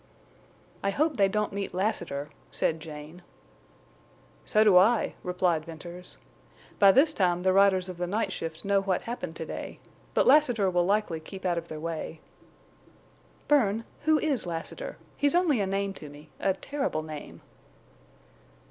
"I hope they don't meet Lassiter," said Jane. "So do I," replied Venters. "By this time the riders of the night shift know what happened to day. But Lassiter will likely keep out of their way." "Bern, who is Lassiter? He's only a name to me—a terrible name."